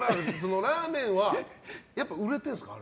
ラーメンはやっぱり売れているんですか？